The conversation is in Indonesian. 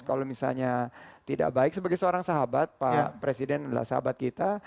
kalau misalnya tidak baik sebagai seorang sahabat pak presiden adalah sahabat kita